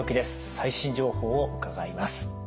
最新情報を伺います。